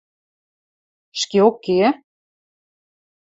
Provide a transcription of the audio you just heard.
Ӹшкеок ке!..